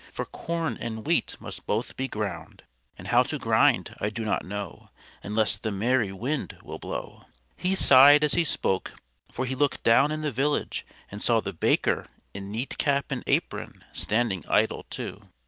For corn and wheat must both be ground, And how to grind I do not know Unless the merry wind will blow_." He sighed as he spoke, for he looked down in the village, and saw the Baker in neat cap and apron, standing idle too.